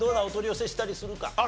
お取り寄せしたりするか？